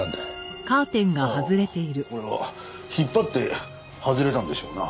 ああこれは引っ張って外れたんでしょうな。